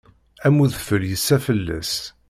Am udfel yessa fell-as.